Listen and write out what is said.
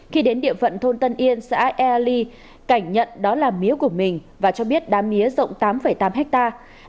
khi đến địa phận thôn tân yên xã ea ly cảnh nhận đó là mía của mình và cho biết đám mía rộng tám tám hectare